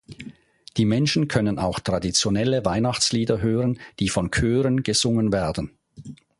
Die Menschen können auch traditionelle Weihnachtslieder hören, die von Chören gesungen werden.